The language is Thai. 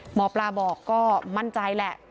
หมอปลาบอกก็มั่นใจแหละ